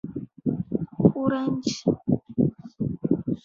Urandi